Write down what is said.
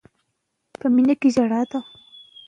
نور پر خپل حال پرېښودل شوی